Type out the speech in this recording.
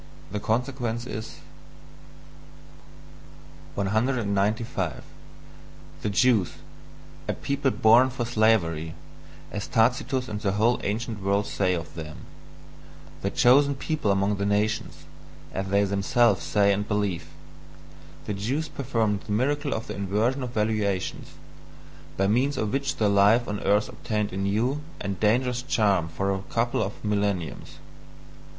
The consequence is... 195. The Jews a people "born for slavery," as Tacitus and the whole ancient world say of them; "the chosen people among the nations," as they themselves say and believe the Jews performed the miracle of the inversion of valuations, by means of which life on earth obtained a new and dangerous charm for a couple of millenniums.